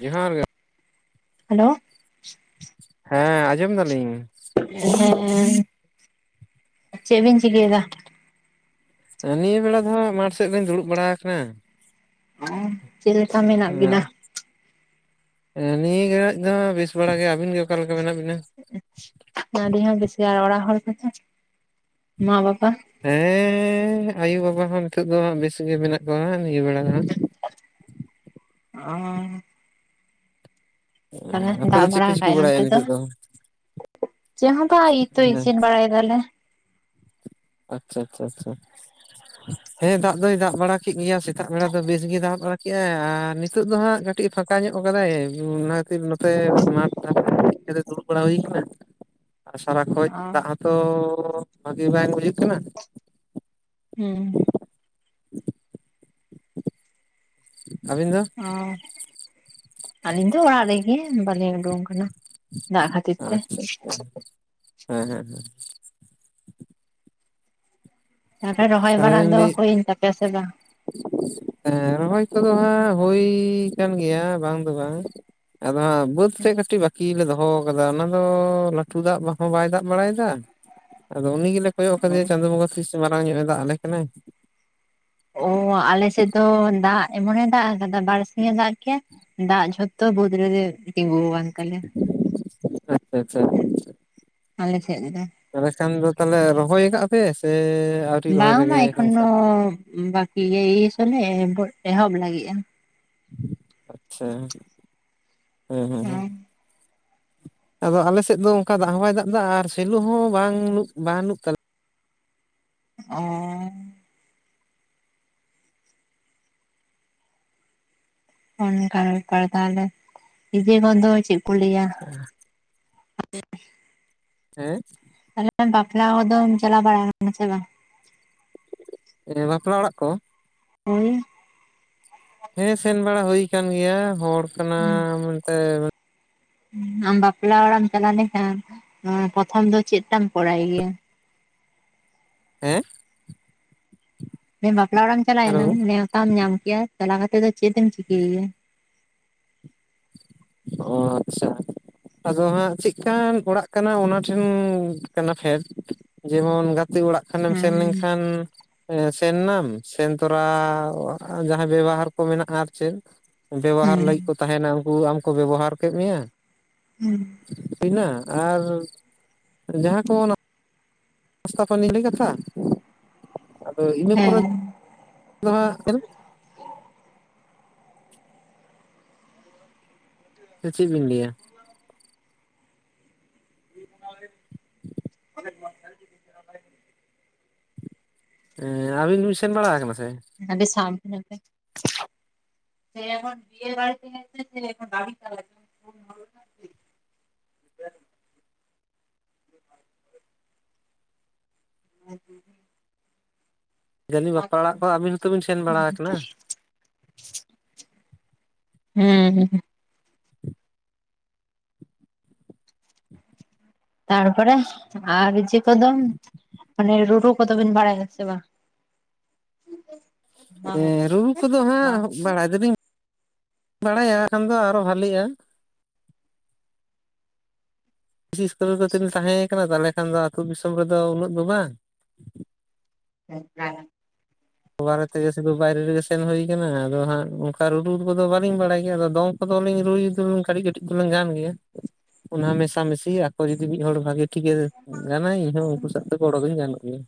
ᱡᱚᱦᱟᱨ ᱜᱮ ᱦᱮᱞᱳ ᱦᱮᱸ ᱟᱸᱡᱚᱢ ᱫᱟᱞᱤᱧ ᱦᱮᱸ ᱦᱮᱸ ᱪᱮᱫ ᱵᱤᱱ ᱪᱤᱠᱟᱹᱭᱫᱟ? ᱱᱤᱭᱟᱹ ᱵᱮᱲᱟ ᱫᱚ ᱦᱟᱸᱜ ᱢᱟᱴᱷ ᱥᱮᱫ ᱨᱤᱧ ᱫᱩᱲᱩᱵ ᱵᱟᱲᱟ ᱠᱟᱱᱟ᱾ ᱪᱮᱫ ᱞᱮᱠᱟ ᱢᱮ ᱦᱮ ᱟᱨ ᱮᱸ ᱱᱤᱭᱟᱹ ᱜᱷᱟᱲᱤᱡ ᱫᱚ ᱵᱮᱥ ᱵᱟᱲᱟ ᱜᱮ ᱟᱹᱵᱤᱱ ᱜᱮ ᱚᱠᱟᱞᱮᱠᱟ ᱢᱮᱱᱟᱜ ᱵᱤᱱᱟ? ᱟᱵᱤᱱ ᱦᱚᱸ ᱵᱮᱥ ᱜᱮ ᱟᱨ ᱚᱲᱟᱜ ᱦᱚᱲ ᱠᱚᱫᱚ ᱢᱟ ᱵᱟᱵᱟ? ᱦᱮᱸ ᱟᱭᱳᱵᱟᱵᱟ ᱦᱚᱸ ᱱᱤᱛᱳᱜ ᱫᱚ ᱦᱟᱸᱜ ᱵᱮᱥ ᱜᱮ ᱢᱮᱱᱟᱜ ᱠᱚᱣᱟ ᱱᱤᱭᱟᱹ ᱵᱮᱲᱟ ᱫᱚ ᱦᱟᱸᱜ ᱚᱸ ᱟᱢ ᱛᱟᱦᱚᱞᱮ ᱟᱯᱮ ᱫᱟᱜ ᱫᱚ ᱪᱮᱫ ᱵᱟᱲᱟ ᱯᱮ ᱪᱤᱠᱟᱹ ᱠᱟᱜ-ᱟᱭ ᱚᱱᱛᱮ ᱵᱟᱲᱟᱭᱮᱫᱼᱟ ᱫᱚ ᱱᱤᱛᱚᱜ ᱪᱮᱫ ᱦᱚᱸ ᱵᱟᱝ ᱤᱭᱛᱚ ᱦᱮᱸ ᱤᱥᱤᱱ ᱵᱟᱲᱟᱭ ᱛᱟᱦᱚᱞᱮ ᱟᱪᱪᱷᱟ ᱟᱪᱪᱷᱟ ᱟᱪᱪᱷᱟ ᱦᱮᱸ ᱫᱟᱜ ᱫᱚᱭ ᱫᱟᱜ ᱵᱟᱲᱟ ᱠᱮᱫ ᱜᱮᱭᱟ ᱥᱮᱛᱟᱜ ᱵᱮᱲᱟ ᱫᱚ ᱵᱮᱥ ᱜᱮ ᱫᱟᱜ ᱵᱟᱲᱟ ᱠᱮᱜ-ᱟᱭ ᱟᱨ ᱱᱤᱛᱚᱜ ᱫᱚ ᱦᱟᱸᱜ ᱠᱟᱹᱴᱤᱡ ᱯᱷᱟᱸᱠᱟ ᱧᱚᱜ ᱠᱟᱫᱟᱭ ᱚᱱᱟ ᱠᱷᱟᱹᱛᱤᱨ ᱱᱚᱛᱮ ᱢᱟᱴ [unintelligible] ᱦᱮᱡ ᱠᱟᱛᱮ ᱫᱩᱲᱩᱵ ᱵᱟᱲᱟ ᱦᱩᱭ ᱠᱟᱱᱟ [inaudible] ᱟᱨ ᱥᱟᱨᱟ ᱠᱷᱚᱡ ᱚ ᱫᱟᱜ ᱦᱚᱸᱛᱚ ᱵᱷᱟᱹᱜᱤ ᱵᱟᱝ ᱵᱩᱡᱷᱟᱹᱜ ᱠᱟᱱᱟ ᱦᱩᱸ ᱟᱹᱵᱤᱱ ᱫᱚ ᱟᱨ ᱟᱹᱞᱤᱧ ᱫᱚ ᱚᱲᱟᱜ ᱨᱮᱜᱮ ᱵᱟᱹᱞᱤᱧ ᱩᱰᱩᱝ ᱠᱟᱱᱟ ᱫᱟᱜ ᱠᱷᱟᱹᱛᱤᱨ ᱛᱮ ᱟᱪᱪᱷᱟ ᱟᱪᱪᱷᱟ ᱦᱮᱸ ᱦᱮᱸ ᱛᱟᱦᱚᱞᱮ ᱨᱚᱦᱚᱭ ᱵᱟᱲᱟ ᱫᱚ ᱦᱩᱭᱮᱱ ᱛᱟᱯᱮᱭᱟ ᱥᱮ ᱵᱟᱝ ᱦᱮᱸ ᱨᱚᱦᱚᱭ ᱠᱚᱫᱚ ᱦᱟᱸᱜ ᱦᱩᱭ ᱠᱟᱱ ᱜᱮᱭᱟ ᱵᱟᱝ ᱫᱚ ᱵᱟᱝ ᱟᱫᱚ ᱦᱟᱸᱜ ᱵᱟᱹᱫᱽ ᱥᱮᱫ ᱠᱟᱹᱴᱤᱡ ᱵᱟᱠ ᱠᱤ ᱞᱮ ᱫᱚᱦᱚ ᱟᱠᱟᱫᱟ ᱚᱱᱟ ᱫᱚ- ᱞᱟᱹᱴᱩ ᱫᱟᱜ ᱦᱚᱸ ᱵᱟᱭ ᱫᱟᱜ ᱵᱟᱲᱟᱭᱮᱫᱟ ᱟᱫᱚ ᱩᱱᱤ ᱜᱮᱞᱮ ᱠᱚᱭᱚᱜ ᱟᱠᱟᱫᱮᱭᱟ ᱪᱟᱸᱫᱳ ᱵᱚᱸᱜᱟ ᱛᱤᱥ ᱢᱟᱨᱟᱝ ᱧᱚᱜ ᱮ ᱫᱟᱜ ᱟᱞᱮ ᱠᱟᱱᱟᱭ᱾ ᱚ ᱟᱞᱮ ᱥᱮᱫ ᱫᱚ ᱫᱟᱜ ᱮᱢᱚᱱᱮ ᱫᱟᱜ ᱟᱠᱟᱫᱟ ᱵᱟᱨᱥᱤᱧ ᱮ ᱫᱟᱜ ᱠᱮᱭᱟ ᱫᱟᱜ ᱡᱷᱚᱛᱚ ᱵᱟ. ᱫᱽ ᱨᱮᱜᱮ ᱛᱤᱸᱜᱩ ᱟᱠᱟᱱ ᱛᱟᱞᱮ ᱟᱪᱪᱷᱟ ᱟᱪᱪᱷᱟ ᱟᱞᱮ ᱥᱮᱫ ᱨᱮ ᱫᱚ ᱛᱟᱦᱞᱮ ᱠᱷᱟᱱ ᱫᱚ ᱛᱟᱦᱚᱞᱮ ᱨᱚᱦᱚᱭ ᱠᱟᱜ-ᱟ ᱯᱮ ᱥᱮ ᱟᱹᱣᱨᱤ ᱨᱚᱦᱚᱭ ᱵᱟᱝᱢᱟ ᱨᱮᱜᱮ ᱚᱱᱠᱟ ᱮᱠᱷᱚᱱᱳ ᱵᱟᱹᱠᱤ ᱜᱮ ᱮᱭ ᱥᱳᱨ ᱞᱮ ᱮᱦᱚᱵ ᱞᱟᱹᱜᱤᱫᱼᱟ᱾ ᱟᱪᱪᱷᱟ, ᱦᱮᱸ ᱦᱮᱸ ᱦᱮᱸ ᱟᱫᱚ ᱟᱞᱮ ᱥᱮᱫ ᱫᱚ ᱚᱱᱠᱟ ᱫᱟᱜ ᱦᱚᱸ ᱵᱟᱭ ᱫᱟᱜ ᱫᱟ ᱟᱨ ᱥᱮᱞᱳ ᱦᱚᱸ ᱵᱟᱝ ᱵᱟ. ᱱᱩᱜ ᱛᱟᱞᱮ ᱚ ᱚᱱᱠ ᱵᱮᱯᱟᱨ ᱛᱟᱦᱚᱞᱮ, ᱤᱡᱮ ᱠᱚ ᱫᱚ ᱪᱮᱫ ᱠᱚ ᱞᱟᱹᱭᱟ ᱦᱮᱸ [inaudible] ᱦᱮᱸ? ᱛᱟᱦᱚᱞᱮ ᱵᱟᱯᱞᱟ ᱠᱚᱫᱚᱢ ᱪᱟᱞᱟᱣ ᱵᱟᱲᱟ ᱟᱠᱟᱱᱟ ᱥᱮ ᱵᱟᱝ? ᱵᱟᱯᱞᱟ ᱚᱲᱟᱜ ᱠᱚ? ᱦᱳᱭ ᱦᱮᱸ ᱥᱮᱱ ᱵᱟᱲᱟ ᱦᱩᱭ ᱟᱠᱟᱱ ᱜᱮᱭᱟ ᱦᱚᱲ ᱠᱟᱱᱟ ᱢᱮᱱᱛᱮ ᱟᱢ ᱵᱟᱯᱞᱟ ᱚᱲᱟᱜ ᱮᱢ ᱪᱟᱞᱟᱣ ᱞᱮᱱᱠᱷᱟᱱ ᱯᱨᱚᱛᱷᱚᱢ ᱫᱚ ᱪᱮᱫ ᱛᱟᱢ ᱠᱚᱨᱟᱭ ᱜᱮᱭᱟ? ᱦᱮᱸ? ᱵᱟᱯᱞᱟ ᱚᱲᱟᱜ ᱮᱢ ᱦᱮᱞᱳ ᱪᱟᱞᱟᱣᱮᱱᱟ ᱱᱮᱣᱛᱟᱢ ᱧᱟᱢ ᱠᱮᱭᱟ ᱪᱟᱞᱟᱣ ᱠᱟᱛᱮ ᱫᱚ ᱪᱮᱫ ᱮᱢ ᱪᱤᱠᱟᱹᱭᱮᱭᱟ? ᱚ-ᱟᱪᱪᱷᱟ ᱟᱫᱚ ᱦᱟᱸᱜ ᱪᱮᱫᱠᱟᱱ ᱚᱲᱟᱜ ᱠᱟᱱᱟ ᱚᱱᱟ ᱴᱷᱮᱱ ᱠᱟᱱᱟ ᱯᱷᱮᱰ ᱡᱮᱢᱚᱱ ᱜᱟᱛᱮ ᱚᱲᱟᱜ ᱠᱷᱚᱱᱮᱢ ᱥᱮᱱ ᱦᱮᱸ ᱞᱮᱱᱠᱷᱟᱱ ᱮ ᱥᱮᱱ ᱱᱟᱢ ᱥᱮᱱ ᱛᱚᱨᱟ ᱡᱟᱦᱟᱸ ᱵᱮᱵᱚᱦᱟᱨ ᱠᱚ ᱢᱮᱱᱟᱜᱼᱟ ᱟᱨ ᱪᱮᱫ ᱵᱮᱵᱚᱦᱟᱨ ᱞᱟᱹᱜᱤᱫ ᱠᱚ ᱦᱮᱸ ᱛᱟᱦᱮᱸᱱᱟ ᱩᱱᱠᱩ ᱟᱢ ᱠᱚ ᱵᱮᱵᱚᱦᱟᱨ ᱠᱮᱫ ᱢᱮᱭᱟ ᱦᱩᱸ ᱤᱱᱟᱹ ᱟᱨ ᱡᱟᱦᱟᱸ ᱠᱚ ᱱᱟ ᱱᱟᱥᱛᱟ ᱯᱟᱱᱤ ᱠᱟᱛᱷᱟ ᱟᱫᱚ ᱤᱱᱟᱹ ᱯᱚᱨᱮ ᱦᱮᱸ ᱫᱚ ᱦᱟᱸᱜ ᱥᱮ ᱪᱮᱫ ᱵᱤᱱ ᱞᱟᱹᱭ-ᱟ? [inaudible] [unintelligible] ᱦᱮᱸ ᱟᱹᱵᱤᱱ ᱵᱤᱱ ᱥᱮᱱ ᱵᱟᱲᱟ ᱠᱟᱱᱟ ᱥᱮ? ᱟᱹᱰᱤ ᱥᱟᱵᱫᱷᱟᱱ ᱱᱟᱛᱮ᱾ [unintelligible] [unintelligible] ᱡᱟ. ᱱᱤᱡ ᱵᱟᱯᱞᱟ ᱚᱲᱟᱜ ᱠᱚ ᱟᱹᱵᱤᱱ ᱦᱚᱸᱛᱚ ᱵᱤᱱ ᱥᱮᱱ ᱵᱟᱲᱟ ᱠᱟᱱᱟ? ᱦᱮᱸ, ᱦᱮᱸ᱾ ᱛᱟᱨᱯᱚᱨᱮ ᱟᱨ ᱡᱮ ᱠᱚᱫᱚᱢ ᱢᱟᱱᱮ ᱨᱩᱨᱩ ᱠᱚᱫᱚ ᱵᱤᱱ ᱵᱟᱲᱟᱭᱟ ᱥᱮ ᱵᱟᱝ? ᱢᱟ ᱦᱮᱸ ᱨᱩᱢ ᱠᱚᱫᱚ ᱢᱟ ᱦᱟᱸᱜ ᱵᱟᱲᱟᱭ ᱫᱚᱞᱤᱧ ᱵᱟᱲᱟᱭᱟ ᱠᱷᱟᱱ ᱫᱚ ᱟᱨᱚ ᱵᱷᱟᱹᱞᱤᱜ-ᱟ᱾ ᱵᱤᱥᱤ ᱤᱥᱠᱩᱞ ᱨᱮ ᱜᱮ ᱛᱚ ᱞᱤᱧ ᱛᱟᱦᱮᱸ ᱠᱟᱱᱟ ᱛᱟᱞᱦᱮ ᱠᱷᱟᱱ ᱫᱚ ᱟᱹᱛᱳ ᱫᱤᱥᱚᱢ ᱨᱮᱫᱚ ᱩᱱᱟᱹᱜ ᱫᱚ ᱵᱟᱝ᱾ [unintelligible] ᱵᱟᱨᱮ ᱛᱮᱜᱮ ᱥᱩᱫᱩ ᱵᱟᱭᱨᱮ ᱨᱮᱜᱮ ᱥᱮᱱ ᱦᱩᱭ ᱠᱟᱱᱟ᱾ᱟᱫᱚ ᱦᱟᱸᱜ ᱚᱱᱠᱟ ᱨᱩ ᱨᱩ ᱠᱚᱫᱚ ᱵᱟᱹᱞᱤᱧ ᱵᱟᱲᱟᱭ ᱜᱮᱭᱟ᱾ ᱟᱫᱚ ᱫᱚᱝ ᱠᱚ ᱫᱚ ᱞᱤᱧ ᱨᱩᱭ ᱫᱚ ᱠᱟᱹᱴᱤᱡ ᱠᱟᱹᱴᱤᱡ ᱫᱚᱞᱤᱧ ᱜᱟᱱ ᱜᱮᱭᱟ᱾ ᱚᱱᱟ ᱢᱮᱥᱟ ᱢᱤᱥᱤ ᱟᱠᱚ ᱢᱩᱫᱤ ᱦᱚᱲ ᱵᱷᱟᱹᱜᱮ ᱴᱷᱤᱠ ᱜᱮᱭᱟ ᱜᱟᱱ ᱟᱭ ᱤᱧ ᱦᱚᱸ ᱩᱱᱠᱩ ᱥᱟᱣ ᱫᱚ ᱜᱚᱲᱚ ᱫᱩᱧ ᱜᱟᱱᱚᱜ ᱜᱮᱭᱟ᱾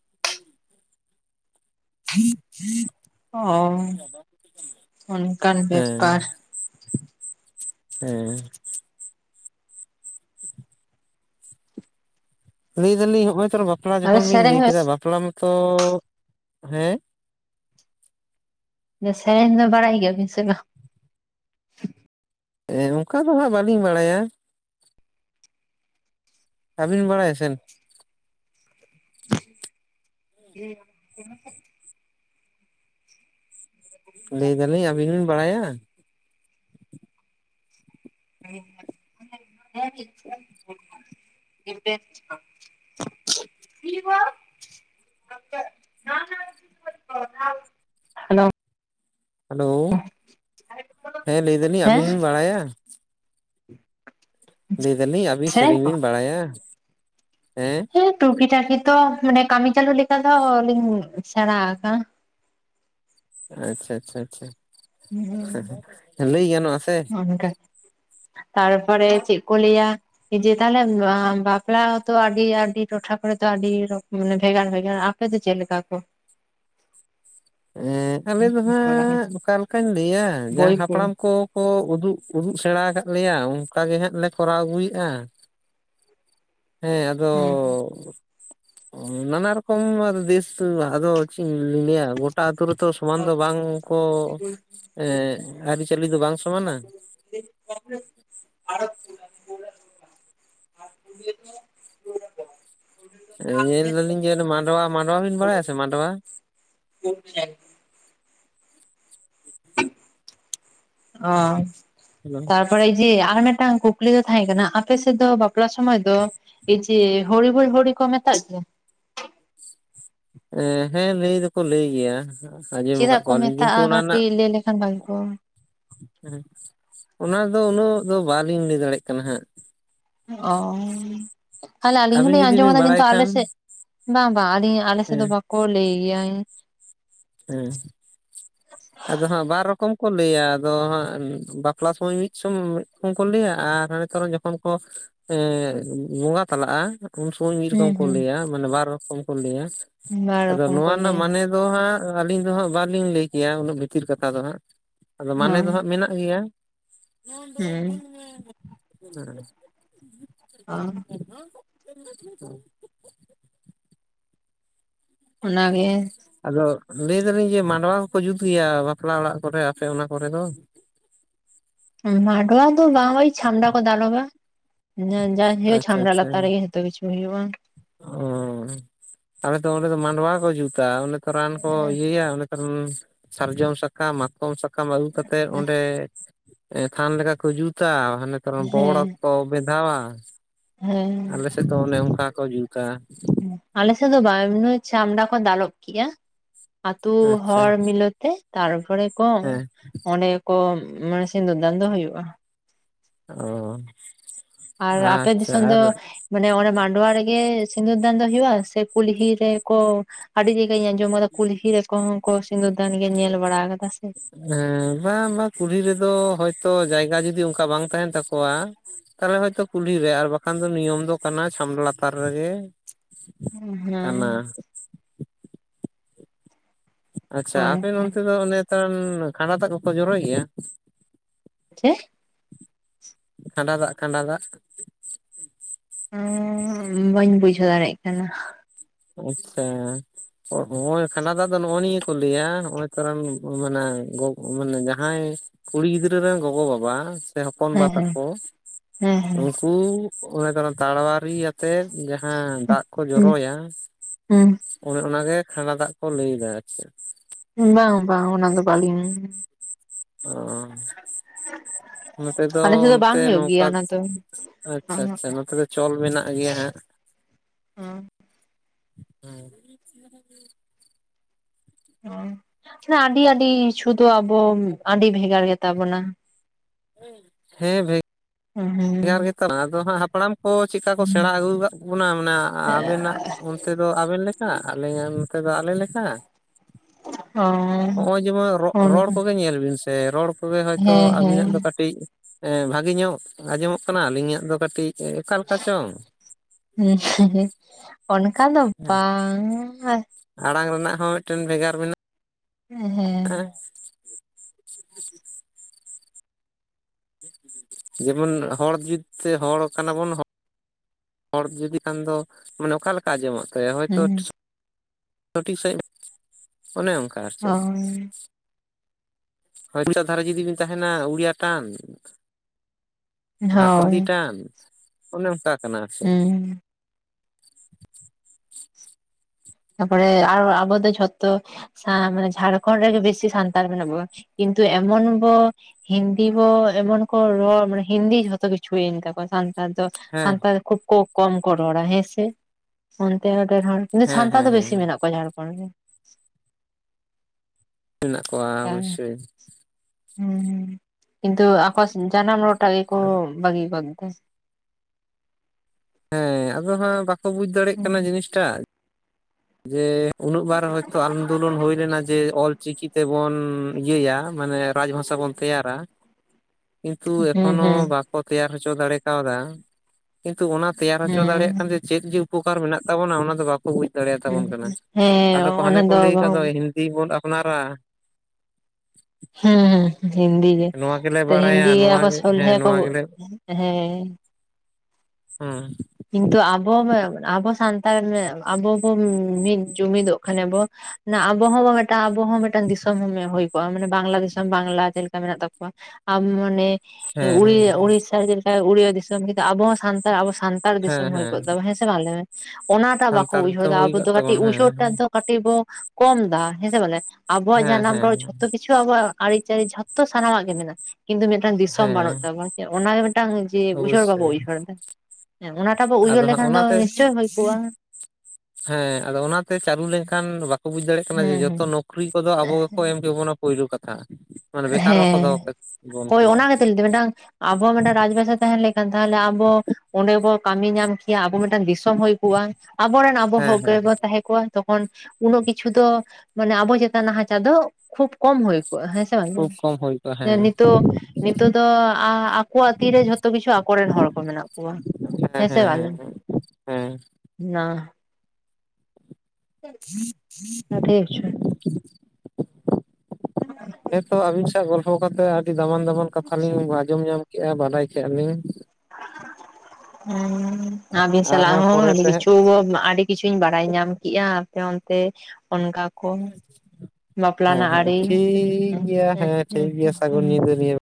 ᱦᱩᱸ᱾ ᱚ, ᱚᱱᱠᱟᱱ ᱦᱮᱸ ᱵᱮᱯᱟᱨ᱾ ᱦᱮᱸ᱾ ᱞᱟᱹᱭ ᱫᱟᱹᱞᱤᱧ ᱦᱚᱸᱜ-ᱚᱭ ᱛᱚᱨᱟ ᱵᱟᱯᱞᱟ ᱟᱨ ᱡᱚᱠᱷᱚᱱ ᱵᱤᱱ ᱥᱮᱨᱮᱧ ᱞᱟᱹᱭ ᱦᱚᱸ ᱠᱮᱫᱟ ᱵᱟᱯᱞᱟ ᱢᱟᱛᱚ ᱦᱮᱸ ᱾ ᱥᱮᱨᱮᱧ ᱫᱚ ᱵᱟᱲᱟᱭ ᱜᱮᱭᱟ ᱵᱤᱱ ᱥᱮ ᱵᱟᱝ? ᱦᱮᱸ ᱚᱱᱠᱟ ᱫᱚ ᱦᱟᱸᱜ ᱵᱟᱹᱞᱤᱧ ᱵᱟᱲᱟᱭ-ᱟ ᱾ ᱟᱹᱵᱤᱱ ᱵᱟᱲᱟᱭ ᱥᱮᱱ? ᱦᱮᱸ᱾ ᱞᱟᱹᱭ ᱫᱟᱹᱞᱤᱧ ᱟᱹᱵᱤᱱ ᱵᱤᱱ ᱵᱟᱲᱟᱭᱟ? [inaudible] [inaudible] ᱦᱮᱞᱳ ᱦᱮᱞᱳ ᱦᱮᱸ ᱞᱟᱹᱭ ᱫᱟᱹᱞᱤᱧ ᱦᱮᱸ ᱟᱹᱵᱤᱱ ᱵᱤᱱ ᱵᱟᱲᱟᱭᱟ? ᱞᱟᱹᱭ ᱫᱟᱹᱞᱤᱧ ᱟᱹᱵᱤᱱ ᱥᱮᱨᱮᱧ ᱵᱤᱱ ᱵᱟᱲᱟᱭᱟ ᱦᱮᱸ? ᱴᱩᱠᱤ ᱴᱟᱠᱤ ᱛᱚ ᱢᱟᱱᱮ ᱠᱟᱹᱢᱤ ᱪᱟᱹᱞᱩ ᱞᱮᱠᱟ ᱫᱚ ᱞᱤᱧ ᱥᱮᱲᱟ ᱟᱠᱟᱣᱱᱟ ᱾ ᱟᱪᱪᱷᱟ, ᱟᱪᱪᱷᱟ, ᱟᱪᱪᱷᱟ ᱦᱩᱸ ᱞᱟᱹᱭ ᱜᱟᱱᱚᱜ-ᱟ ᱥᱮ? ᱚᱱᱠᱟ ᱛᱟᱨᱯᱚᱨᱮ ᱪᱮᱫ ᱠᱚ ᱞᱟᱹᱭ-ᱟ ᱡᱮ ᱛᱟᱞᱦᱮ ᱵᱟᱯᱞᱟ ᱦᱚ ᱛᱚ ᱟᱹᱰᱤ, ᱟᱹᱰᱤ ᱴᱚᱴᱷᱟ ᱠᱚᱨᱮ ᱛᱚ ᱟᱹᱰᱤ ᱨᱚᱠᱚᱢ ᱢᱟᱱᱮ ᱵᱷᱮᱜᱟᱨ ᱵᱷᱮᱜᱟᱨ ᱟᱯᱮ ᱫᱚ ᱪᱮᱫ ᱞᱮᱠᱟ ᱠᱚ? ᱦᱮᱸ ᱟᱞᱮ ᱫᱚ ᱦᱟᱸᱜ ᱚᱠᱟ ᱞᱮᱠᱟᱧ ᱞᱟᱹᱭ-ᱟ ᱡᱟᱦᱟ ᱵᱳᱞᱯᱩᱨ ᱦᱟᱯᱲᱟᱢ ᱠᱚ᱾ ᱠᱚ ᱩᱫᱩᱜ ᱩᱫᱩᱜ ᱥᱮᱲᱟ ᱠᱟᱜ ᱞᱮᱭᱟ ᱚᱱᱠᱟᱜ ᱜᱮ ᱦᱟᱸᱜ ᱞᱮ ᱠᱚᱨᱟᱣ ᱟᱹᱜᱩᱭ ᱮᱜ-ᱟ᱾ [inaudible] ᱦᱮᱸ ᱟᱫᱚ ᱦᱮᱸ ᱱᱟᱱᱟ ᱨᱚᱠᱚᱢ ᱫᱮᱥ ᱟᱫᱚ ᱪᱮᱫ ᱤᱧ ᱞᱟᱹᱭ-ᱟ᱾ ᱜᱚᱴᱟ ᱟᱛᱳ ᱨᱮᱛᱚ ᱥᱚᱢᱟᱱ ᱫᱚ ᱵᱟᱝ ᱠᱚ ᱮᱸᱻᱟᱹᱨᱤ ᱪᱟᱹᱞᱤ ᱫᱚ ᱵᱟᱝ ᱥᱚᱢᱟᱱᱟ ᱾ [inaudible] [inaudible] ᱧᱮᱞ ᱫᱟᱹᱞᱤᱧ ᱡᱮ ᱚᱱᱟ ᱢᱟᱸᱰᱣᱟ ᱢᱟᱸᱰᱣᱟ ᱵᱤᱱ ᱵᱟᱲᱟᱭᱟ ᱥᱮ ᱢᱟᱸᱰᱣᱟ? [unintelligible] ᱚ ᱦᱮᱞᱳ ᱛᱟᱨᱯᱚᱨ ᱡᱮ ᱟᱨ ᱢᱮᱫᱴᱟᱝ ᱠᱩᱠ ᱞᱤ ᱫᱚ ᱛᱟᱦᱮᱸ ᱠᱟᱱᱟ ᱟᱯᱮ ᱥᱮᱫ ᱫᱚ ᱵᱟᱯᱞᱟ ᱥᱚᱢᱚᱭ ᱫᱚ ᱮᱭ ᱡᱮ ᱦᱩᱨᱤ ᱵᱳᱞ ᱦᱩᱨᱤ ᱠᱚ ᱢᱮᱛᱟᱜ ᱜᱮᱭᱟ᱾ ᱮᱸ ᱦᱮᱸ ᱞᱟᱹᱭ ᱫᱚᱠᱚ ᱞᱟᱹᱭ ᱜᱮᱭᱟ ᱾ ᱟᱸᱡᱚᱢ ᱢᱟᱠᱟᱜ ᱪᱮᱫᱟᱜ ᱠᱚ ᱠᱚᱣᱟᱞᱤᱧ ᱠᱤᱱᱛᱩ ᱢᱮᱛᱟᱜᱼᱟ ᱚᱱᱟ ᱨᱮᱱᱟᱜ ᱠᱟᱹᱴᱤᱡ ᱞᱟᱹᱭ ᱞᱮᱠᱷᱟᱱ ᱵᱷᱟᱜᱤ ᱠᱚᱜᱼᱟ ᱩᱦᱩᱸ ᱚᱱᱟ ᱫᱚ ᱩᱱᱟᱹᱜ ᱫᱚ ᱵᱟᱞᱤᱧ ᱞᱟᱹᱭ ᱫᱟᱲᱮᱜ ᱠᱟᱱᱟ ᱦᱟᱸᱜ ᱾ ᱚᱻ ᱛᱟᱦᱞᱮ ᱟᱹᱞᱤᱧ ᱟᱹᱵᱤᱱ ᱦᱚᱞᱤᱧ ᱡᱩᱫᱤ ᱟᱸᱡᱚᱢ ᱵᱤᱱ ᱟᱠᱟᱫᱟ ᱵᱟᱲᱟᱭ ᱠᱤᱱᱛᱩ ᱟᱞᱮ ᱠᱷᱟᱱ ᱥᱮᱜ ᱵᱟᱝ ᱵᱟᱝ ᱟᱹᱞᱤᱧ ᱟᱞᱮ ᱥᱮᱫ ᱦᱮᱸ ᱫᱚ ᱵᱟᱠᱚ ᱞᱟᱹᱭ ᱜᱮᱭᱟ ᱾ ᱦᱮᱸ [unintelligible] ᱟᱫᱚ ᱦᱟᱸᱜ ᱵᱟᱨ ᱨᱚᱠᱚᱢ ᱠᱚ ᱞᱟᱹᱭᱟ ᱟᱫᱚ ᱦᱟᱸᱜ ᱵᱟᱯᱞᱟ ᱥᱚᱢᱚᱭ ᱢᱤᱫ ᱥᱚᱢ ᱢᱤᱫ ᱥᱚᱢ ᱠᱚ ᱞᱟᱹᱭᱟ ᱟᱨ ᱦᱟᱱᱮ ᱛᱚᱨᱚ ᱡᱚ ᱠᱷᱚᱱ ᱠᱚ ᱮ ᱵᱚᱸᱜᱟ ᱛᱟᱞᱟᱜᱼᱟ᱾ ᱩᱱ ᱥᱚᱢᱚᱭ ᱢᱤᱫ ᱨᱚᱠᱚᱢ ᱦᱩᱸ ᱠᱚ ᱞᱟᱹᱭᱟ ᱢᱟᱱᱮ ᱵᱟᱨ ᱨᱚᱠᱚᱢ ᱠᱚ ᱞᱟᱹᱭᱟ ᱦᱩᱸ ᱵᱟᱨ ᱟᱫᱚ ᱨᱚᱠᱚᱢ ᱠᱚ ᱱᱚᱣᱟ ᱨᱮᱱᱟᱜ ᱞᱟᱹᱭᱟ ᱢᱟᱱᱮ ᱫᱚ ᱦᱟᱸᱜ ᱟᱞᱤᱧ ᱫᱚ ᱦᱟᱸᱜ ᱵᱟᱞᱤᱧ ᱞᱟᱹᱭ ᱠᱮᱭᱟ ᱩᱱᱟᱹᱜ ᱵᱷᱤᱛᱤᱨ ᱠᱟᱛᱷᱟ ᱫᱚ ᱦᱟᱸᱜ ᱟᱫᱚ ᱢᱟᱱᱮ ᱦᱚᱸ ᱫᱚ ᱦᱟᱸᱜ ᱢᱮᱱᱟᱜ ᱜᱮᱭᱟ᱾ ᱦᱩᱸ [unintelligible] ᱚᱱᱟ ᱜᱮ ᱟᱫᱚ ᱞᱟᱹᱭ ᱫᱟᱞᱤᱧ ᱡᱮ ᱢᱟᱰᱣᱟ ᱦᱚᱸᱠᱚ ᱡᱩᱛ ᱜᱮᱭᱟ ᱵᱟᱯᱞᱟ ᱚᱲᱟᱜ ᱠᱚᱨᱮ ᱟᱯᱮ ᱚᱱᱟ ᱠᱚᱨᱮ ᱫᱚ? ᱢᱟᱰᱣᱟ ᱫᱚ ᱵᱟᱝ ᱳᱭ ᱪᱷᱟᱢᱰᱟ ᱠᱚ ᱫᱟᱞᱚᱵᱟ ᱾ ᱡᱟ ᱡᱟ ᱦᱳᱭᱳᱜ ᱪᱷᱟᱢᱰᱟ ᱞᱟᱛᱟᱨ ᱨᱮᱜᱮ ᱡᱷᱚᱛᱚ ᱠᱤᱪᱷᱩ ᱦᱩᱭᱩᱜᱼᱟ ᱾ ᱚᱻ ᱟᱞᱮ ᱫᱚ ᱚᱸᱰᱮ ᱫᱚ ᱢᱟᱰᱣᱟ ᱠᱚ ᱡᱩᱛᱟ ᱚᱸᱰᱮ ᱛᱚ ᱨᱟᱱ ᱠᱚ ᱤᱭᱟᱹᱭᱟ ᱚᱱᱮ ᱩᱸ ᱥᱟᱨᱡᱚᱢ ᱥᱟᱠᱟᱢ ᱢᱟᱛᱠᱚᱢ ᱥᱟᱠᱟᱢ ᱟᱹᱜᱩ ᱠᱟᱛᱮᱜ ᱚᱸᱰᱮ ᱮ ᱛᱷᱟᱱ ᱞᱮᱠᱟ ᱠᱚ ᱡᱩᱛᱟ ᱦᱟᱱᱮ ᱛᱚᱨᱟ ᱵᱚᱲ ᱦᱮᱸ ᱟᱠᱚ ᱵᱷᱮᱫᱷᱟᱣᱟ ᱾ ᱦᱮᱸ ᱟᱞᱮ ᱥᱮᱫ ᱫᱚ ᱚᱱᱮ ᱚᱱᱠᱟ ᱠᱚ ᱡᱩᱛᱟ᱾ ᱟᱞᱮᱥᱮᱜ ᱫᱚ ᱵᱟᱝ ᱱᱩᱭ ᱪᱷᱟᱢᱰᱟ ᱠᱚ ᱫᱟᱞᱚᱵ ᱠᱮᱜᱼᱟ, ᱟᱛᱳ ᱟᱪᱪᱷᱟ ᱦᱚᱲ ᱢᱤᱞᱟᱹᱛᱮ ᱛᱟᱨᱯᱚᱨᱮ ᱠᱚ ᱦᱮᱸ ᱚᱰᱮ ᱠᱚ ᱢᱟᱱᱮ ᱥᱤᱫᱩᱨ ᱫᱟᱱ ᱫᱚ ᱦᱩᱭᱩᱜᱼᱟ᱾ ᱚᱻ ᱟᱨ ᱟᱯᱮ ᱫᱤᱥᱚᱢ ᱫᱚ ᱢᱟᱱᱮ ᱚᱬᱮ ᱢᱟᱰᱣᱟ ᱨᱮᱜᱮ ᱥᱤᱸᱫᱩᱨ ᱫᱟᱱ ᱫᱚ ᱦᱭᱩᱜᱼᱟ? ᱥᱮ ᱠᱩᱞᱦᱤ ᱨᱮ ᱠᱚ ᱟᱹᱰᱤ ᱡᱟᱭᱜᱟᱧ ᱟᱸᱡᱚᱢ ᱟᱠᱟᱫᱟ ᱠᱩᱞᱦᱤ ᱨᱮᱠᱚᱦᱚᱸ ᱠᱚ ᱥᱤᱸᱫᱩᱨ ᱫᱟᱱ ᱜᱮᱭᱟ ᱧᱮᱞ ᱵᱟᱲᱟ ᱟᱠᱟᱫᱟ ᱥᱮ ᱦᱮᱸ ᱵᱟᱝ ᱵᱟᱝ ᱠᱩᱞᱦᱤ ᱨᱮᱫᱚ ᱦᱚᱭᱛᱚ ᱡᱟᱭᱜᱟ ᱡᱩᱫᱤ ᱚᱝᱠᱟ ᱵᱟᱝ ᱛᱟᱦᱮᱱ ᱛᱟᱠᱚᱣᱟ, ᱛᱟᱦᱞᱮ ᱦᱚᱭᱛᱚ ᱠᱩᱞᱦᱤᱨᱮ ᱟᱨ ᱵᱟᱠᱷᱟᱱ ᱫᱚ ᱱᱤᱭᱚᱢ ᱫᱚ ᱠᱟᱱᱟ ᱪᱷᱟᱢᱰᱟ ᱞᱟᱛᱟᱨ ᱨᱮᱜᱮ, ᱦᱩᱸ ᱠᱟᱱᱟ ᱦᱮᱸ ᱟᱪᱪᱷᱟ ᱟᱯᱮ ᱚᱱᱠᱟ ᱚᱱᱛᱮ ᱫᱚ ᱚᱱᱮ ᱛᱟᱱ ᱠᱷᱟᱸᱰᱟ ᱫᱟᱜ ᱠᱚᱠᱚ ᱡᱚᱨᱚᱭ ᱜᱮᱭᱟ? ᱪᱮᱜ? ᱠᱷᱟᱸᱰᱟ ᱫᱟᱜ ᱠᱷᱟᱸᱰᱟ ᱫᱟᱜ ᱮᱸᱻ ᱵᱟᱹᱧ ᱵᱩᱡᱷᱟᱹᱣ ᱫᱟᱲᱮᱜ ᱠᱟᱱᱟ᱾ ᱚᱪᱪᱷᱟ᱾ ᱚ ᱦᱚᱸᱜᱼᱚᱭ ᱠᱷᱟᱸᱰᱟ ᱫᱟᱜ ᱫᱚ ᱱᱚᱜᱼᱚ ᱱᱤᱭᱟᱹ ᱠᱚ ᱞᱟᱹᱭᱟ, ᱱᱚᱜᱼᱚᱭ ᱛᱟᱨᱟᱢ ᱢᱟᱱᱮ ᱜᱚ ᱢᱟᱱᱮ ᱡᱟᱦᱟᱸᱭ ᱠᱩᱲᱤ ᱜᱤᱫᱽᱨᱟᱹ ᱨᱮᱱ ᱜᱚᱜᱚ ᱵᱟᱵᱟ ᱥᱮ ᱦᱚᱯᱚᱱ ᱵᱟ ᱦᱮᱸ ᱦᱮᱸ ᱛᱟᱠᱚ ᱦᱮᱸ ᱩᱱᱠ ᱠᱩ ᱚᱸᱱᱮ ᱛᱟᱨᱟ ᱛᱟᱲᱣᱟᱨᱤᱭᱟᱛᱮᱜ ᱡᱟᱦᱟᱸ ᱫᱟᱜ ᱠᱚ ᱡᱚᱨᱚᱭᱟ, ᱦᱩᱸ ᱚᱱᱮ ᱚᱱᱟᱜᱮ ᱠᱷᱟᱸᱰᱟ ᱫᱟᱜ ᱠᱚ ᱞᱟᱹᱭᱮᱫᱟ ᱟᱨ ᱪᱮᱫ ᱵᱟᱝ ᱵᱟᱝ ᱚᱱᱟ ᱫᱚ ᱵᱟᱞᱤᱝ ᱚ [unintelligible] ᱱᱚᱛᱮ ᱫᱚ ᱟᱞᱮ ᱥᱮᱫ ᱵᱟᱝ ᱚᱱᱛᱮ ᱦᱩᱭᱩᱜ ᱜᱮᱭᱟ ᱱᱚᱝᱠᱟ ᱚᱱᱟ ᱫᱚ ᱟᱪᱪᱷᱟ ᱟᱪᱪᱷᱟ ᱱᱚᱛᱮ ᱫᱚ ᱪᱚᱞ ᱢᱮᱱᱟᱜ ᱜᱮᱭᱟ ᱦᱟᱸᱜ, ᱩᱸ ᱦᱸ [unintelligible] ᱟᱹᱰᱤ ᱟᱹᱰᱤ ᱪᱷᱩ ᱫᱚ ᱟᱵᱚ ᱟᱹᱰᱤ ᱵᱷᱮᱜᱟᱨ ᱜᱮ ᱛᱟᱵᱚᱱᱟ᱾ ᱦᱮᱸ ᱵᱷᱮ ᱩᱸ [unintelligible] ᱟᱫᱚ ᱦᱟᱸᱜ ᱦᱟᱯᱲᱟᱢ ᱠᱚ ᱪᱮᱠᱟ ᱠᱚ ᱥᱮᱬᱟ ᱟᱹᱜᱩ ᱟᱠᱟᱜ ᱵᱚᱱᱟ ᱢᱟᱱᱮ ᱟᱵᱮᱱᱟᱜ ᱚᱱᱛᱮ ᱫᱚ ᱟᱵᱮᱱ ᱞᱮᱠᱟ ᱟᱞᱤᱧ ᱛᱮ ᱫᱚ ᱟᱞᱮ ᱞᱮᱠᱟ ᱚ ᱦᱚᱸᱜᱼᱚᱭ ᱡᱮᱢᱚᱱ ᱨᱚᱲ ᱚᱱᱠᱟ ᱠᱚᱜᱮ ᱧᱮᱞ ᱵᱤᱱ ᱥᱮ ᱮ ᱨᱚᱲ ᱠᱚᱜᱮ ᱦᱚᱚᱭᱛᱚ ᱦᱮᱸ ᱟᱵᱤᱱᱟᱜ ᱦᱮᱸ ᱫᱚ ᱠᱟᱹᱴᱤᱡ ᱵᱷᱟᱜᱤ ᱧᱚᱜ ᱟᱸᱡᱚᱢᱚᱜ ᱠᱟᱱᱟ ᱟᱹᱞᱤᱧᱟᱜ ᱫᱚ ᱠᱟᱹᱴᱤᱡ ᱚᱠᱟᱞᱮᱠᱟ ᱪᱚᱝ? ᱦᱩᱸ [unintelligible] ᱚᱱᱠᱟ ᱫᱚ ᱵᱟᱝᱟ᱾ ᱟᱲᱟᱝ ᱨᱮᱱᱟᱜ ᱦᱚᱸ ᱢᱤᱫᱴᱟᱹᱱ ᱵᱷᱮᱜᱟᱨ ᱢᱮᱱᱟᱜ᱾ ᱦᱮᱸ᱾ ᱡᱮᱢᱚᱱ ᱦᱚᱲ ᱡᱩᱛᱛᱮ ᱦᱚᱲ ᱠᱟᱱᱟᱵᱚᱱ ᱦᱚ ᱦᱚᱲ ᱡᱩᱫᱤ ᱠᱷᱟᱱ ᱫᱚ ᱢᱟᱱᱮ ᱚᱠᱟ ᱞᱮ ᱠᱟ ᱟᱸᱡᱚᱢᱚᱜ ᱛᱟᱭᱟ ᱦᱚᱭᱛᱚ ᱦᱮᱸ [unintelligible] ᱴᱷᱤᱠ ᱥᱟᱺᱦᱤᱡ ᱚᱱᱮ ᱚᱝ ᱦᱚᱭ᱾ ᱦᱳᱭ [unintelligible] ᱫᱷᱟᱨᱮ ᱡᱩᱫᱤ ᱵᱤᱱ ᱛᱟᱦᱮᱱᱟ ᱩᱲᱤᱭᱟ ᱴᱟᱱ᱾ ᱡᱷᱟᱲᱠᱚᱱ ᱦᱳᱭ ᱰᱤ ᱴᱟᱱ ᱚᱱᱮ ᱚᱱᱠᱟ ᱠᱟᱱᱟ ᱟᱨ ᱥᱮ᱾ ᱦᱩᱸ ᱤᱱᱟᱹ ᱯᱚᱨᱮ ᱟᱨᱦᱚ ᱟᱵᱚ ᱫᱚ ᱡᱷᱚᱛᱚ ᱥᱟ ᱢᱟᱱᱮ ᱡᱷᱟᱨᱠᱚᱱᱰ ᱨᱮᱜᱮ ᱵᱤᱥᱤ ᱥᱟᱱᱛᱟᱲ ᱢᱮᱱᱟᱜ ᱵᱚᱣᱟ ᱠᱤᱱᱛᱩ ᱮᱢᱚᱱ ᱵᱚ ᱦᱤᱱᱫᱤ ᱵᱚ ᱮᱢᱚᱱ ᱠᱚ ᱨᱚᱨ ᱢᱟᱱᱮ ᱦᱤᱱᱫᱤ ᱡᱷᱚᱛᱚ ᱠᱤᱪᱷᱩᱭᱮᱱ ᱛᱟᱠᱚᱣᱟ, ᱥᱟᱱᱛᱟᱲ ᱫᱚ ᱦᱮᱸ ᱥᱟᱱᱛᱟᱲ ᱠᱷᱩᱵ ᱠᱚ ᱠᱚᱢ ᱠᱚᱨᱲᱟ ᱦᱮᱸᱥᱮ ᱚᱱᱛᱮ ᱨᱮᱱ ᱦᱚᱲ ᱾ ᱦᱮᱸ ᱦᱮᱸ ᱦᱮᱸ ᱦᱮᱸ᱾ [unintelligible] ᱡᱷᱟᱲᱠᱷᱚᱸᱰ ᱢᱮᱱᱟᱜ ᱠᱚᱣᱟ ᱨᱮ ᱚᱵᱚᱥᱳᱭ᱾ ᱦᱩᱸ ᱠᱤᱱᱛᱩ ᱟᱠᱚ ᱡᱟᱱᱟᱢ ᱨᱚᱴᱟᱜ ᱜᱮᱠᱚ ᱵᱟᱹᱜᱤ ᱜᱚᱫᱟ᱾ ᱦᱮᱸ ᱟᱫᱚ ᱦᱟᱸᱜ ᱵᱟᱠᱚ ᱵᱩᱡᱽ ᱫᱟᱲᱮᱭᱟᱜ ᱦᱩᱸ ᱠᱟᱱᱟ ᱡᱤᱱᱤᱥᱴᱟ᱾ ᱡᱮ ᱩᱱᱟᱹᱜ ᱵᱟᱨ ᱦᱚᱳᱭᱛᱚ ᱟᱱᱫᱳᱞᱚᱱ ᱦᱩᱭᱞᱱᱟ ᱡᱮ ᱚᱞᱪᱤᱠᱤ ᱛᱮᱵᱚᱱ ᱤᱭᱟᱹᱭᱟ ᱢᱟᱱᱮ ᱨᱟᱡᱽ ᱵᱷᱟᱥᱟ ᱵᱚᱱ ᱛᱮᱭᱟᱨᱟ᱾ ᱠᱤᱱᱛᱩ ᱦᱩᱸ ᱮᱠᱷᱚᱱᱳ ᱵᱟᱠᱚ ᱛᱮᱭᱟᱨ ᱦᱚᱪᱚ ᱫᱟᱲᱮ ᱠᱟᱣᱫᱟ ᱠᱤᱱᱛᱩ ᱚᱱᱟ ᱛᱮᱭᱟᱨ ᱦᱚᱪᱚ ᱫᱟᱲᱮᱭᱟᱜ ᱠᱟᱱ ᱦᱩᱸ ᱡᱮ ᱪᱮᱫ ᱜᱮ ᱩᱯᱚᱠᱟᱨ ᱢᱮᱱᱟᱜ ᱛᱟᱵᱚᱱᱟ ᱚᱱᱟ ᱫᱚ ᱵᱟᱠᱚ ᱵᱩᱡ ᱫᱟᱲᱮᱭᱟᱛᱟᱵᱚᱱ ᱠᱟᱱᱟ ᱦᱮᱸ ᱟᱫᱚ ᱠᱚ ᱦᱟᱱᱮ ᱚᱱᱟ ᱠᱚ ᱞᱟᱹᱭ ᱟᱠᱟᱫ ᱵᱟᱝ ᱫᱚ ᱦᱤᱱᱫᱤ ᱵᱚᱱ ᱟᱯᱱᱟᱨᱟ᱾ ᱦᱩᱸ ᱦᱸ ᱦᱤᱱᱫᱤ ᱜᱮ ᱱᱚᱣᱟ ᱜᱮᱞᱮ ᱛᱚ ᱵᱟᱲᱟᱭᱟ ᱦᱤᱱᱫᱤ ᱜᱮ ᱱᱚᱣᱟ ᱟᱠ ᱦᱮᱸ ᱪᱚᱞᱦᱮ ᱠᱚ ᱱᱚᱣᱟ ᱜᱮᱞᱮ ᱦᱮᱸ᱾ ᱦᱩᱸ᱾ ᱱᱤᱛᱚᱛ ᱟᱵᱜᱮ ᱟᱵᱚ ᱥᱟᱱ ᱛᱟᱨᱮ ᱟᱵᱚ ᱵᱚᱱ ᱢᱤᱫ ᱡᱩᱢᱤᱫᱚᱜ ᱠᱷᱟᱱᱮ ᱵᱚ᱾ ᱟᱵᱚ ᱦᱚᱸ ᱵᱟᱝᱟᱝ ᱟᱵᱚᱦ ᱦᱚᱸ ᱢᱤᱫᱴᱟᱝ ᱫᱤᱥᱚᱢ ᱦᱚᱸ ᱦᱩᱭ ᱠᱚᱜᱼᱟ ᱢᱟᱱᱮ ᱵᱟᱝᱞᱟ ᱫᱤᱥᱚᱢ ᱵᱟᱝᱞᱟ ᱪᱮᱫ ᱞᱮᱠᱟ ᱢᱮᱱᱟᱜ ᱛᱟᱠᱚᱣᱟ᱾ ᱟᱢ ᱢᱟᱱᱮᱲ ᱦᱮᱸ ᱦᱮᱸ ᱩᱲᱤᱥᱥᱟ ᱪᱮᱫᱮᱠᱟ ᱩᱲᱤᱭᱟ ᱫᱤᱥᱚᱢ ᱠᱤᱱᱛᱩ ᱟᱵᱚ ᱦᱚᱸ ᱥᱟᱱᱛᱟᱲ ᱟᱵᱚ ᱥᱟ ᱞᱟᱛᱟᱨ ᱦᱮᱸ ᱫᱤᱥᱚᱢ ᱦᱩᱭ ᱦᱮᱸ ᱠᱚᱚᱫ ᱮᱟ ᱦᱮᱸᱥᱮ ᱵᱟᱝᱞᱮ ᱢᱮ ᱚᱱᱟᱴᱟᱜ ᱵᱟᱠᱚ ᱥᱟᱱᱛᱟᱲ ᱛᱚ ᱩᱭᱦᱟᱹᱨ ᱮᱟ ᱦᱩᱭ ᱟᱵᱚ ᱠᱚᱜ ᱫᱚ ᱛᱟᱵᱚᱱ ᱠᱟᱹᱴᱤᱡ ᱩᱭᱦᱟᱹᱨ ᱦᱮᱸ ᱴᱟᱜ ᱫᱚ ᱠᱟᱹᱴᱤᱡ ᱵᱚ ᱠᱚᱢ ᱮᱫᱟ ᱦᱮᱸᱥᱮ ᱵᱚᱞᱮ ᱟᱵᱚᱣᱟᱜ ᱦᱮᱸ ᱡᱟᱱᱟᱢ ᱨᱮ ᱦᱮᱸ ᱡᱷᱚᱛᱚ ᱠᱤ ᱠᱤᱪᱷᱩ ᱟᱵᱚᱣᱟᱜ ᱟᱹᱨᱤᱪᱟᱹᱞᱤ ᱡᱷᱚᱛᱚ ᱥᱟᱱᱟᱢᱟᱜ ᱜᱮ ᱢᱮᱱᱟᱜᱼᱟ ᱠᱤᱱᱛᱩ ᱢᱤᱫᱴᱟᱝ ᱫᱤᱥᱚᱢ ᱵᱟᱹᱱᱩᱜ ᱦᱮᱸ ᱛᱟᱵᱟ ᱚᱱᱟᱜᱮ ᱢᱤᱫᱴᱟᱝ ᱡᱮ ᱩᱭᱦᱟᱹᱨ ᱵᱟᱵᱚᱱ ᱚᱵᱚᱥᱥᱳᱭ ᱩᱭᱦᱟᱹᱨ ᱫᱟ᱾ ᱦᱮᱸ ᱚᱱᱟᱴᱟᱜ ᱵᱚ ᱟᱫᱚ ᱩᱭᱦᱟᱹᱨ ᱦᱟᱸᱜ ᱞᱮᱠᱷᱟᱱ ᱫᱚ ᱚᱱᱟᱛᱮ ᱱᱤᱥᱪᱚᱭ ᱦᱳᱭ ᱠᱚᱜᱼᱟ᱾ ᱦᱮᱸ ᱟᱫᱚ ᱚᱱᱟᱛᱮ ᱪᱟᱹᱞᱩ ᱞᱮᱱᱠᱷᱟᱱ ᱵᱟᱠᱚ ᱵᱩᱡ ᱫᱟᱲᱮᱭᱟᱜ ᱠᱟᱱᱟ ᱡᱮ ᱦᱮᱸ ᱡᱚᱛᱚ ᱦᱮᱸ ᱱᱚᱠᱨᱤ ᱠᱚᱫᱚ ᱟᱵᱚ ᱜᱮᱠᱚ ᱮᱢ ᱠᱮ ᱵᱚᱱᱟ ᱯᱳᱭᱞᱩ ᱠᱟᱛᱷᱟ ᱢᱟᱱᱮ ᱵᱮᱠᱟᱨ ᱵᱟᱠᱚ ᱫᱚᱦᱚ ᱦᱮᱸ ᱵᱚᱱ ᱦᱳᱭ ᱠᱮᱭᱟ ᱚᱱᱟ ᱠᱷᱟᱹᱛᱤᱨ ᱞᱟᱹᱭᱟᱹ ᱢᱤᱫᱴᱟᱝ ᱟᱵᱚᱣᱟᱜ ᱢᱤᱫᱴᱟᱝ ᱨᱟᱡᱽ ᱵᱥᱟ ᱛᱟᱦᱮᱱᱞ ᱞᱮᱠᱟ ᱠᱷ ᱛᱟᱦᱚᱞᱮ ᱟᱵᱚ ᱚᱸᱰᱮ ᱵᱚ ᱠᱟᱹᱢᱤ ᱧᱟᱢ ᱠᱮᱫ ᱟᱵᱚ ᱢᱤᱫᱴᱟᱝ ᱫᱤᱥᱚᱢ ᱦᱩᱭ ᱠᱚᱜᱼᱟ ᱟᱵᱚᱨᱮᱱ ᱟᱵᱚ ᱦᱮᱸ ᱦᱚᱲ ᱦᱮᱸ ᱜᱮᱵᱚᱱ ᱛᱟᱦᱮᱸ ᱠᱚᱜᱼᱟ ᱛᱚᱠᱷᱚᱱ ᱩᱱᱟᱹᱜ ᱠᱤᱪᱷᱩ ᱫᱚ ᱢᱟᱱᱮ ᱟᱵᱚ ᱪᱮᱛᱟᱱ ᱱᱟᱦᱟᱪᱟᱨ ᱫᱚ ᱠᱷᱩᱵ ᱠᱚᱢ ᱦᱩᱭ ᱠᱚᱜᱼᱟ ᱦᱮᱸ ᱥᱮ ᱵᱟᱝ ᱠᱷᱩᱵ ᱠᱚᱢ [unintelligible] ᱦᱮᱸ ᱱᱤᱛᱚᱜ ᱱᱤᱛᱚᱜ ᱫᱚ ᱟᱠᱚᱣᱟᱜ ᱛᱤᱨᱮ ᱡᱷᱚᱛᱚ ᱠᱤᱪᱷᱩ ᱟᱠᱚᱨᱮᱱ ᱦᱚᱲ ᱠᱚ ᱢᱮᱱᱟᱜ ᱠᱚᱣᱟ᱾ ᱦᱮᱸ ᱥᱮ ᱵᱟᱝ ᱞᱟᱹᱭ ᱦᱮᱸ ᱢᱮ ᱦᱮᱸ ᱦᱮᱸ [unintelligible] [inaudible] ᱦᱮᱸᱛᱚ ᱟᱵᱤᱱ ᱥᱟᱶ ᱜᱚᱞᱯᱚ ᱠᱟᱛᱮ ᱟᱹᱰᱤ ᱫᱟᱢᱟᱱ ᱫᱟᱢᱟᱱ ᱠᱟᱛᱷᱟ ᱞᱤᱧ ᱟᱸᱡᱚᱢ ᱧᱟᱢ ᱠᱮᱫᱮᱜᱼᱟ ᱵᱟᱰᱟᱭ ᱠᱮᱫᱼᱟ ᱞᱤᱧ ᱦ ᱟᱹᱵᱤᱱ ᱥᱟᱞᱟᱜ ᱟᱨᱦᱚᱸ ᱦᱚᱸ ᱟᱹᱰᱤ ᱯᱚᱨᱮᱛᱮ ᱦᱟᱸᱜ ᱠᱤᱪᱷᱩ ᱟᱹᱰᱤ ᱠᱤᱪᱷᱩᱧ ᱵᱟᱲᱟᱭ ᱧᱟᱢ ᱠᱮᱫᱮᱜᱼᱟ ᱟᱯᱮ ᱚᱱᱛᱮ ᱚᱱᱠᱟ, ᱵᱟᱯᱞᱟ ᱦᱮᱸ ᱨᱮᱱᱟᱜ ᱦᱮᱸ ᱟᱲᱮ ᱴᱷᱤᱠ ᱜᱮᱭᱟ ᱦᱮᱸ ᱴᱷᱤᱠ ᱜᱮᱭᱟ ᱥᱟᱹᱜᱩᱱ [unintelligible] ᱧᱤᱫᱟᱹ ᱱᱤᱭᱟᱹ